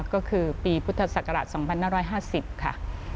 ก็คือปีพุทธศักราช๒๕๕๐ค่ะ